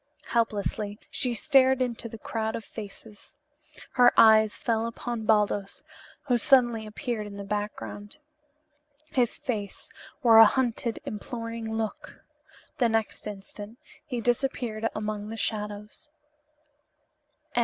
Helplessly she stared into the crowd of faces. Her eyes fell upon Baldos, who suddenly appeared in the background. His face wore a hunted, imploring look. The next instant he disappeared among the shadows.